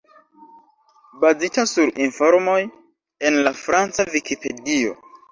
Bazita sur informoj en la franca Vikipedio.